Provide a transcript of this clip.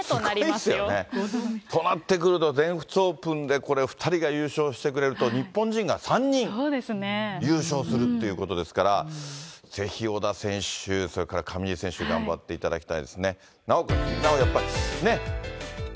すごいですよね。となってくると、全仏オープンでこれ、２人が優勝してくれると、日本人が３人優勝するってことですから、ぜひ小田選手、それから上地選手頑張っていただきたいですね。